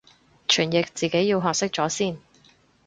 傳譯自己要學識咗先